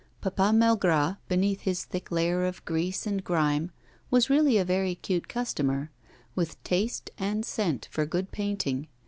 Papa Malgras, beneath his thick layer of grease and grime, was really a very cute customer, with taste and scent for good painting.